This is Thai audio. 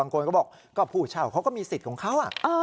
คนก็บอกก็ผู้เช่าเขาก็มีสิทธิ์ของเขา